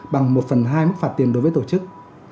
bằng một phần hai mức phạt tiền đối với tổ chức